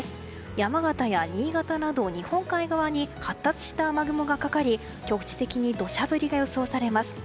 山形や新潟など日本海側に発達した雨雲がかかり局地的に土砂降りが予想されます。